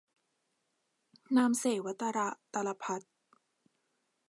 นามเสวตร-ตะละภัฏ